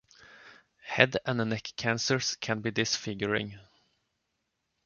Head and neck cancers can be disfiguring.